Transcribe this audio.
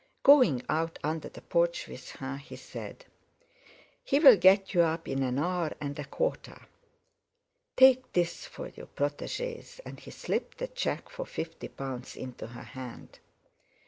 Going out under the porch with her, he said: "He'll get you up in an hour and a quarter. Take this for your protégées," and he slipped a cheque for fifty pounds into her hand.